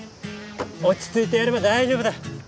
落ちついてやれば大丈夫だ。